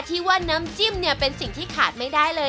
ที่ว่าน้ำจิ้มเนี่ยเป็นสิ่งที่ขาดไม่ได้เลย